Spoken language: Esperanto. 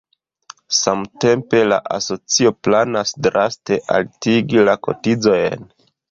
Samtempe la asocio planas draste altigi la kotizojn.